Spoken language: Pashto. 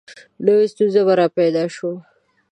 نوي ستونزه به را پیدا شوه.